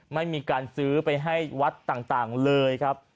ไม่มีการซื้อไปให้วัดต่างเลยครับ